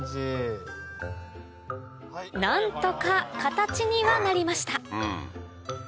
何とか形にはなりました